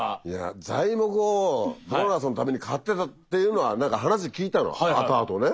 材木をボーナスの度に買ってたっていうのは何か話聞いたの後々ね。